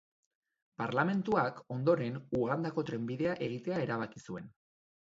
Parlamentuak, ondoren, Ugandako trenbidea egitea erabaki zuen.